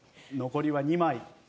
残りは２枚。